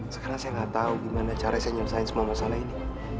sekarang saya gak tahu gimana cara saya nyelesaikan semua masalah ini